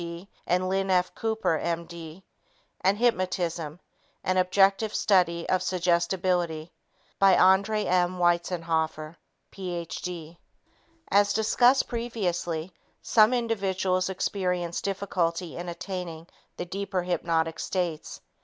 D. and Lynn F. Cooper, M.D., and Hypnotism An Objective Study in Suggestibility by André M. Weitzenhoffer, Ph.D. As discussed previously, some individuals experience difficulty in attaining the deeper hypnotic states.